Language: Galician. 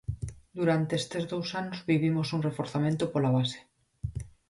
Durante estes dous anos vivimos un reforzamento pola base.